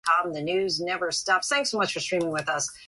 Its county seat is Dixon.